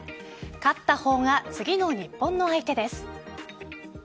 勝った方が次の日本の相手です。